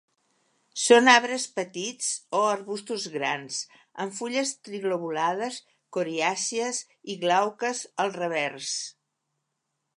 Són arbres petits o arbustos grans, amb fulles trilobulades, coriàcies i glauques al revers.